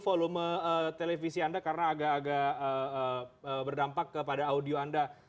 volume televisi anda karena agak agak berdampak kepada audio anda